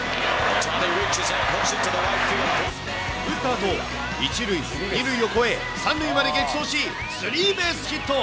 打ったあと、１塁、２塁を超え、３塁まで激走し、スリーベースヒット。